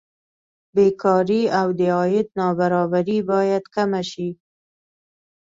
بېکاري او د عاید نابرابري باید کمه شي.